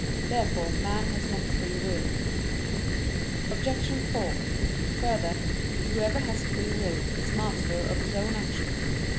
Therefore man has not free will. Obj. 4: Further, whoever has free will is master of his own actions.